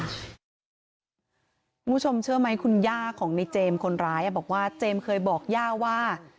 คุณผู้ชมเชื่อไหมคุณย่าของในเจมส์คนร้ายบอกว่าเจมส์เคยบอกย่าว่า